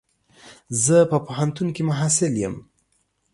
زه په پوهنتون کي محصل يم.